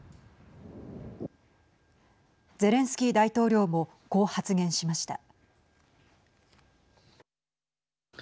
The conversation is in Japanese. ゼレンスキー大統領もこう発言しました。